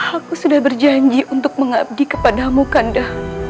aku sudah berjanji untuk mengabdi kepadamu kanda